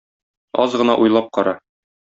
Аз гына уйлап кара.